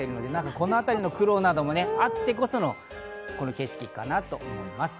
このあたりの苦労などもあってこその景色かなと思います。